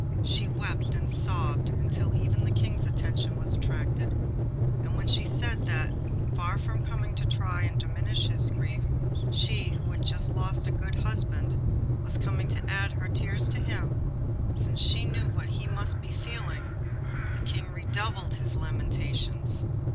She wept and sobbed until even the King's attention was attracted; and when she said that, far from coming to try and diminish his grief, she, who had just lost a good husband, was come to add her tears to his, since she knew what he must be feeling, the King redoubled his lamentations.